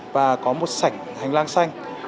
và có một sảnh hành lang xanh